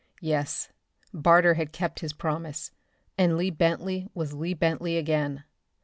Yes, Barter had kept his promise, and Lee Bentley was Lee Bentley again.